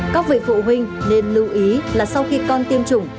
các vị phụ huynh nên lưu ý là sau khi con tiêm chủng